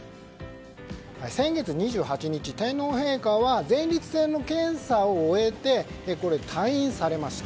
先月２８日、天皇陛下は前立腺の検査を終えて退院されました。